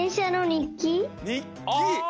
にっき！